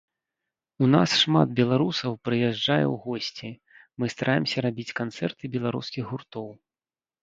У нас шмат беларусаў прыязджае ў госці, мы стараемся рабіць канцэрты беларускіх гуртоў.